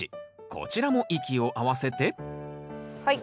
こちらも息を合わせてはい。